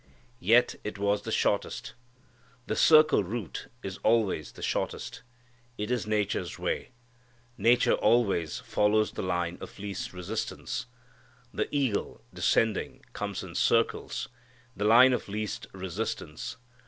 Yet it was the shortest. The circle route is always the shortest. It is nature's way. Nature always follows the line of least resistance. The eagle, descending, comes in circles, the line of least resistance.